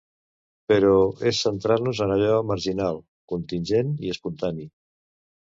Però és centrar-nos en allò marginal, contingent i espontani.